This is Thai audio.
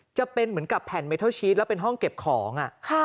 จะเป็นเหมือนกับแผ่นเมทัลชีสแล้วเป็นห้องเก็บของ